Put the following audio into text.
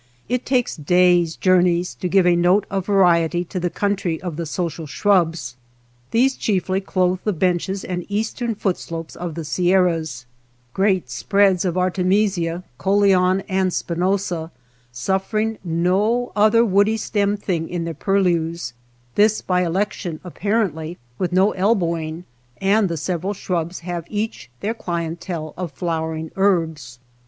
It takes days' jour neys to give a note of variety to the country of the social shrubs. These chiefly clothe the benches and eastern foot slopes of the Sierras, — great spreads of artemisia, coleogyne, and spinosa, suffering no other woody stemmed thing in their purlieus ; this by election apparently, with no el bowing ; and the several shrubs have each their clientele of flowering herbs.